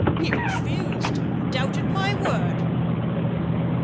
"He refused, and doubted my word."